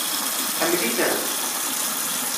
Tḥemmel-itent?